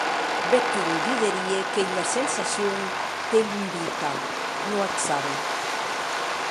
Bèth un diderie qu'ei ua sensacion tellurica, non ac sabi.